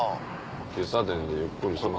喫茶店でゆっくりします？